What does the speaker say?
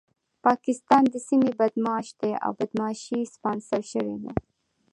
پاکستان د سيمې بدمعاش دی او بدمعاشي يې سپانسر شوې ده.